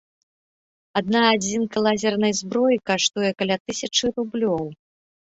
Адна адзінка лазернай зброі каштуе каля тысячы рублёў.